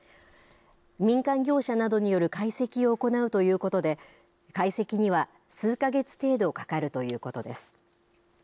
民間業者などによる解析を行うということで、解析には数か月程度かかるということです。